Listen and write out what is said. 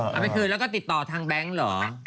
เอาไปคืนแล้วก็ติดต่อทางแบงค์เหรอ